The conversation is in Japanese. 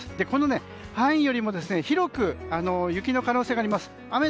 この範囲よりも広く雪の可能性があります。